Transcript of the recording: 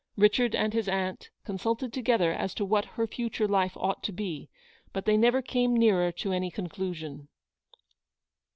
Richard and his aunt con sulted together as to what her future life ought to be; but they never came nearer to any conclusion.